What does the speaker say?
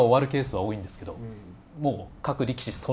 はい。